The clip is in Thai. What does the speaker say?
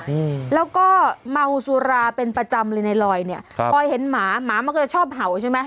อืมแล้วก็เมาสุราเป็นประจำเลยในลอยเนี้ยครับพอเห็นหมาหมามันก็จะชอบเห่าใช่ไหม